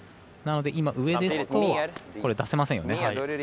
なので今、上ですと出せませんよね。